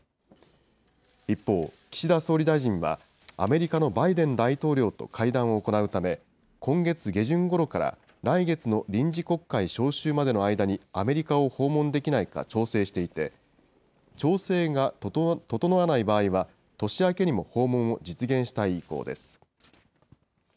一方、岸田総理大臣は、アメリカのバイデン大統領と会談を行うため、今月下旬ごろから来月の臨時国会召集までの間にアメリカを訪問できないか調整していて、調整が整わない場合は、年明けにも訪問を実現したい意向です。